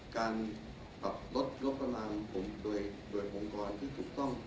การปรับลดการลบประมาณผมโดยองค์กรที่ถูกต้อง